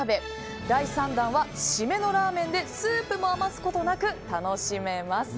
第３弾は締めのラーメンでスープも余すことなく楽しめます。